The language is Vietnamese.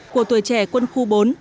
của tuổi trẻ quân khu bốn